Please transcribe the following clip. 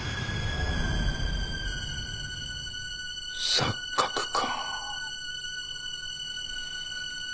錯覚か。